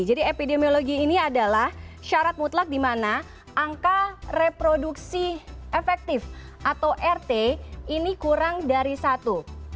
jadi epidemiologi ini adalah syarat mutlak dimana angka reproduksi efektif atau rt ini kurang dari satu